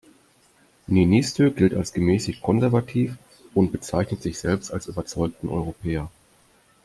Niinistö gilt als gemäßigt-konservativ und bezeichnet sich selbst als überzeugten Europäer.